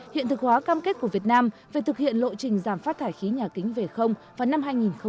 hiện thực hóa cam kết của việt nam về thực hiện lộ trình giảm phát thải khí nhà kính về vào năm hai nghìn ba mươi